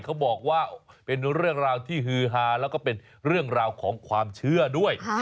เขาบอกว่าเป็นเรื่องราวที่ฮือฮาแล้วก็เป็นเรื่องราวของความเชื่อด้วย